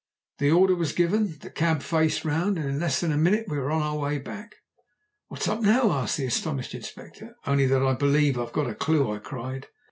The order was given, the cab faced round, and in less than a minute we were on our way back. "What's up now?" asked the astonished Inspector. "Only that I believe I've got a clue," I cried.